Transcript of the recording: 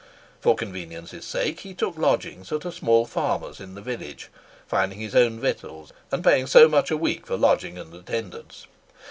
For convenience' sake, he took lodgings at a small farmer's in the village, finding his own victuals, and paying so much a week for lodging and attendance.